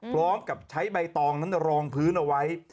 พร้อมกับใช้ใบตองนั้นรองพื้นเอาไว้